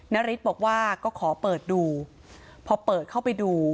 นาริสบอกว่าก็ขอเปิดดูพอเปิดเข้าไปดู